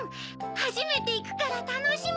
はじめていくからたのしみ！